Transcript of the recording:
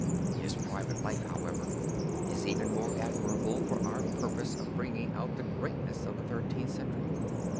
His private life however, is even more admirable for our purpose of bringing out the greatness of the Thirteenth Century.